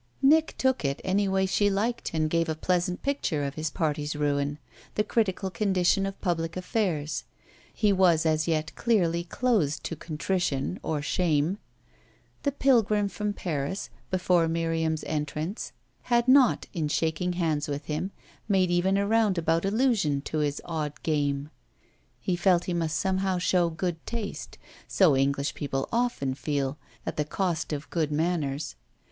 Nick took it any way she liked and gave a pleasant picture of his party's ruin, the critical condition of public affairs: he was as yet clearly closed to contrition or shame. The pilgrim from Paris, before Miriam's entrance, had not, in shaking hands with him, made even a roundabout allusion to his odd "game"; he felt he must somehow show good taste so English people often feel at the cost of good manners.